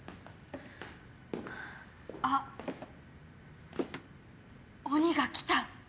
あっ鬼が来た。